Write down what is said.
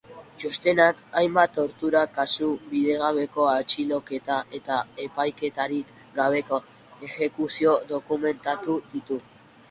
Txostenak hainbat tortura kasu, bidegabeko atxiloketa eta epaiketarik gabeko ejekuzio dokumentatu ditu.